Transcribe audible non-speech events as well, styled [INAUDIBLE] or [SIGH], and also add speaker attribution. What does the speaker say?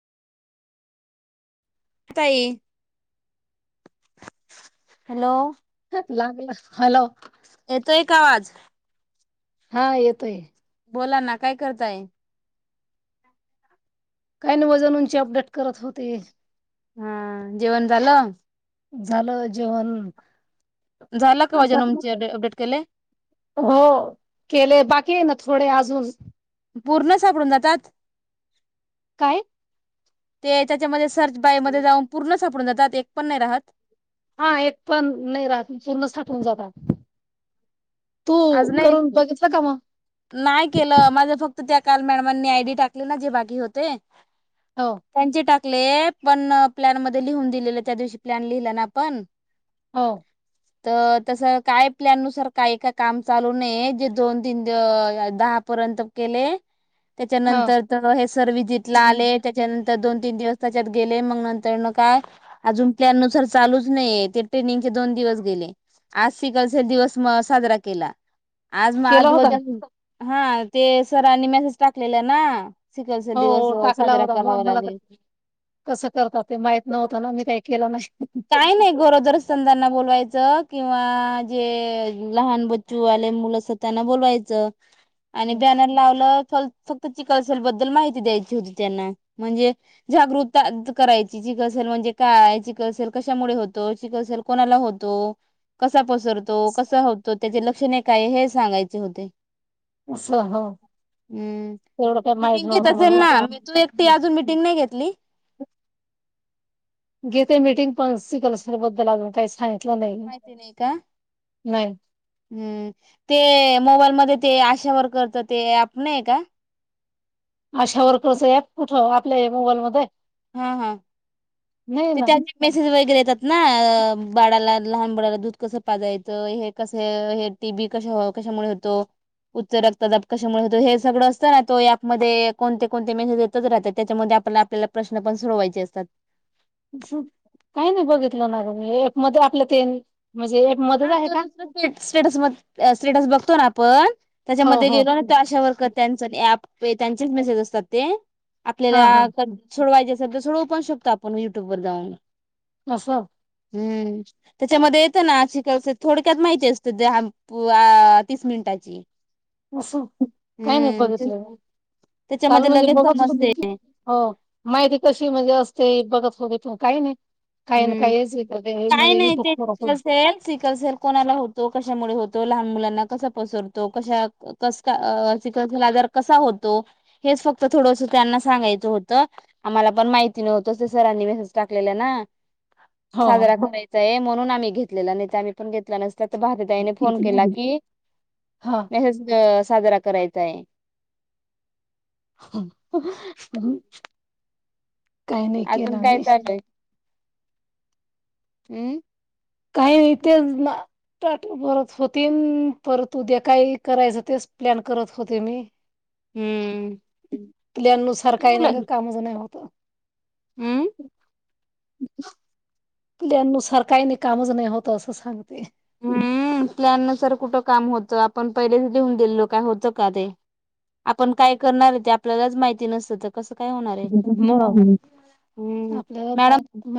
Speaker 1: ताई हॅलो.
Speaker 2: लागला हॅलो.
Speaker 1: येतो एक आवाज?
Speaker 2: हा येतोय.
Speaker 1: बोला ना काय करताय?
Speaker 2: काही नाही वजन, उंची अपडेट करत होते.
Speaker 1: हा जेवण झालं?
Speaker 2: झालं जेवण.
Speaker 1: झाला का
Speaker 2: असं
Speaker 1: वाजनमचे अपडेट केले?
Speaker 2: हो केले बाकी आहे ना थोडे अजून
Speaker 1: पूर्ण सापडून जातात.
Speaker 2: काय?
Speaker 1: ते त्याच्यामध्ये सर्च बाय मध्ये जाऊन पूर्ण सापडून जातात एक पण नाही राहात
Speaker 2: हा एक पण नाही राहत पूर्णच साठवून जातात. तू
Speaker 1: आज नाही
Speaker 2: करून बघितलं का मग
Speaker 1: नाही केलं माझ फक्त त्या काल मॅडमांनी आयडी टाकली ना जे बाकी होते.
Speaker 2: हो.
Speaker 1: त्यांचे टाकले पण प्लॅन मध्ये लिहून दिलेलं त्या दिवशी प्लॅन लिहिलं ना आपण
Speaker 2: हो.
Speaker 1: तर तसं काय प्लॅन नुसार का एका काम चालू नाहीय जे दोन तीन दहा पर्यंत के
Speaker 2: हा
Speaker 1: त्याच्यानंतर हे सर विजला आले त्याच्यानंतर दोन तीन दिवस त्याच्यात गेले मग नंतर न काय अजून प्लॅन नुसार चालूच नाहीय ते ट्रेनिंगचे दोन दिवस गेले आजिकलचा दिवस म साजरा केला आज
Speaker 2: केला
Speaker 1: मग
Speaker 2: होता
Speaker 1: आज हा ते सरांनी मेसेज टाकलेले ना सिकलसा दिवस
Speaker 2: हो टाकला
Speaker 1: साजरा
Speaker 2: होता मग
Speaker 1: करावा
Speaker 2: मला तर
Speaker 1: लागेल
Speaker 2: कसं करतात ते माहत नव्हता ना मी काही केलं नाही
Speaker 1: काही नाही गरोदर संदांना बोलवायचं किंवा जे लहान बच्चू आले मुल अस त्यांना बोलवायचं आणि बॅनर लावलं चल फक्त चिकलसेलबद्दल माहिती द्यायची होती त्यांना म्हणजे जागृतता करायची चिक असेल म्हणजे कायची केल कशामुळे होत चल कोणाला होतो कसा पसरतो कसा तो त्याचे लक्षणे काय हे सांगायचे होते
Speaker 2: हा ह
Speaker 1: हम्म मिीटिंग घेत असेल ना म तू
Speaker 2: म्हणून
Speaker 1: एकटी अजून मिटिंग नाही घेतली
Speaker 2: घेते मीटिंग पण शिकल सर बद्दल अून काही ान
Speaker 1: माहिती नाहीय का
Speaker 2: नाही
Speaker 1: हम्म ते मोबाईलमध्येध्ये ते आशावर करत ते आपण आहे का
Speaker 2: अशा वर्करच ऍप कुठं आपल्या मोबाईल मध्ये
Speaker 1: हा हा
Speaker 2: नाही
Speaker 1: ते
Speaker 2: ना
Speaker 1: त्या मेसेज वगैरे येतात ना बाळाला लहान बाळाला दूध कसं पाजायचं हे कसं हे ते बी कशा कशामुळे होतो उच्च रक्तदाब कशामुळे होतो हे सगळं असतं ना तो यापमध्ये कोणते कोणते मेसेज तसं राहतं त्याच्यामध्ये आपल्याला आपल्याला प्रश्न पण सोडवायचे असतात.
Speaker 2: काही नाही बघितलं ना मी एक मध्ये आपल्यं त्याने. म्हणजे एक मत.
Speaker 1: हा तो दुसरा स्टेटस स्टेटस बघतो ना आपण
Speaker 2: हो
Speaker 1: त्याच्यामध्ये
Speaker 2: हो
Speaker 1: गेलो ना. आशावारकर त्यांच त्यांचेच मेसेज असतात ते
Speaker 2: हा हा
Speaker 1: आपल्याला सोडवायचे असेल सोडू पण शकतो आपण युटॅब वर जाऊन.
Speaker 2: असस.
Speaker 1: हम्म त्याच्या मध्ये येतं ना. थोडक्यात माहिती असते तीस मिनिटाची.
Speaker 2: असं काही नाही
Speaker 1: हम्म ते
Speaker 2: बघितलं नाही काल
Speaker 1: त्याच्यामध्ये लगेच समजते
Speaker 2: बघत. हो माहिती कशी म्हणजे असते बघतं बघतं काही नाही. काही ना
Speaker 1: हम्म
Speaker 2: कायचं युट्यूब [INAUDIBLE] थोण
Speaker 1: सिकल सर कोणाला होतो कशामुळे होतो लहान मुलांना कसा पसरतो कश्या कसं का चिखल आजार कसा होतो. हेच फक्त थोडंसं त्यांना सांगायचं होतं. आम्हाला पण माहिती नव्हतं ते सरांनी म टाकलेलं ना
Speaker 2: हो
Speaker 1: साजरा करायचाय म्हणून आम्ही घेतलेला नाही तर आम्ही पण घेतला नस त्यात बहताईने फोन केला की
Speaker 2: हा
Speaker 1: मेसेज साजरा करायचा आहे
Speaker 2: काही नाही केलं म
Speaker 1: हम्
Speaker 2: काही येते तेचं. भरत होते परत उद्या काय करायचं तेच प्लॅन करत होते मी
Speaker 1: हम्म
Speaker 2: थकल्या नुसार
Speaker 1: ती
Speaker 2: काही
Speaker 1: मुलं
Speaker 2: नाही गं कामाचं नाही होत.
Speaker 1: हम्म
Speaker 2: आपल्या नुसार काही नाही कामचं नाही होतं असं सांगते.
Speaker 1: हम्म प्लॅन नुसार कुठं काम होतं आपण पहिलेचं लिहून दिलं काय होतं का ते आपण काय करणार आहे ते आपल्यालाचं माहिती नसतं तर कसं काय होणार. आहे
Speaker 2: मगं
Speaker 1: हम्म
Speaker 2: आपल्याला
Speaker 1: मॅडम
Speaker 2: पाय